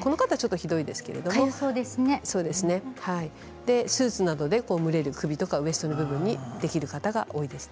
この方はひどいですけれどもスーツなどで蒸れる首やウエストにできる方が多いです。